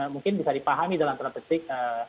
mungkin bisa dipahami dalam strategi